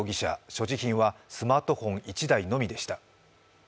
所持品はスマートフォン１台のみでした。